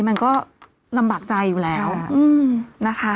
มันก็ลำบากใจอยู่แล้วนะคะ